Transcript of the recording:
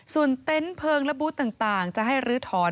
ส่วนเต็นต์เพลิงและบูธต่างจะให้ลื้อถอน